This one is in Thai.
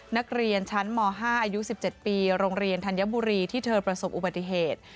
นักเรียนชั้นม๕อายุ๑๗ปีโรงเรียนธัญบุรีที่เธอประสบอุบัติเหตุ